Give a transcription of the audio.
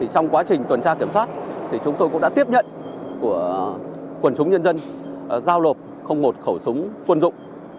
công an cũng đã tiếp nhận của quần chúng nhân dân giao lộp không một khẩu súng quân dụng